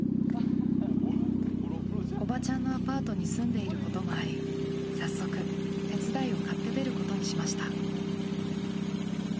おばちゃんのアパートに住んでいることもあり早速手伝いを買って出ることにしました。